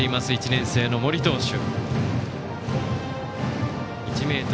１年生の森投手。